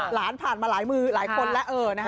หลานผ่านมาหลายมือหลายคนแล้วนะฮะ